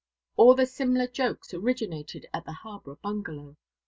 All the Simla jokes originated at the Harborough bungalow.